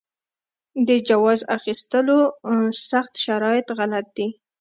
د جواز اخیستلو سخت شرایط غلط دي.